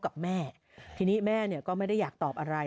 แล้วก็ไปดูแบบว่า